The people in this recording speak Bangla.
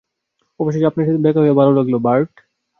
অবশেষে আপনার সাথে দেখা হয়ে ভাল লাগলো, বার্ট।